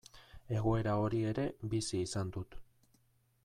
Egoera hori ere bizi izan dut.